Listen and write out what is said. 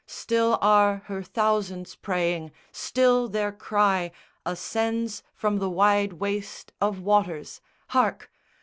Still are her thousands praying, still their cry Ascends from the wide waste of waters, hark!